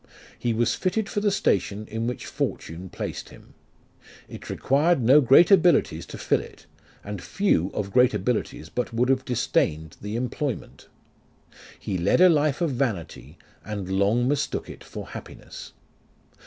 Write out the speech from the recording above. He was fitted for the station in which fortune placed him. It required no great abilities to fill it, and few of great abilities but would have disdained the employment. He led a life of vanity, and long mistook it for happiness.